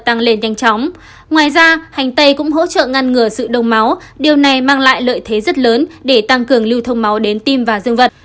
tăng lên nhanh chóng ngoài ra hành tây cũng hỗ trợ ngăn ngừa sự đông máu điều này mang lại lợi thế rất lớn để tăng cường lưu thông máu đến tim và dương vật